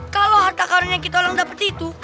kalau harta karun yang kita orang dapet itu